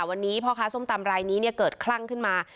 วันนี้พ่อค้าส้มตำรายนี้เกิดคลั่งขึ้นมา